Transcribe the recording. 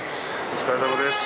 お疲れさまです